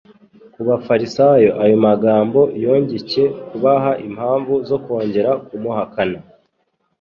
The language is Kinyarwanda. Ku bafarisayo ayo magambo yongcye kubaha impamvu zo kongera kumuhakana.